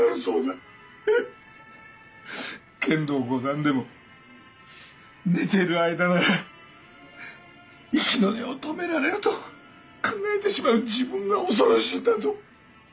剣道五段でも寝てる間なら息の根を止められると考えてしまう自分が恐ろしいんだと。